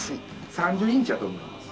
３０インチやと思います。